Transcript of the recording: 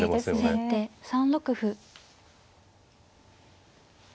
先手３六歩。